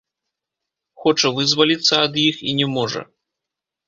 Хоча вызваліцца ад іх і не можа.